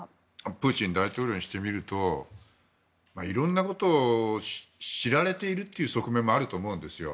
プーチン大統領にしてみるといろんなことを知られているという側面もあると思うんですよ。